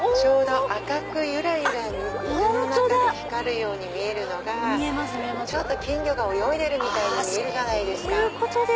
赤くゆらゆら水の中で光るように見えるのが金魚が泳いでるみたいに見えるじゃないですか。